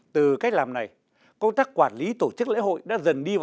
từ cách làm này công tác quản lý tổ chức lễ hội đã dần đi vào thử nghiệm